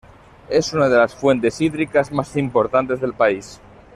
Es una de las fuentes hídricas más importantes del país.